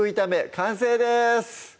完成です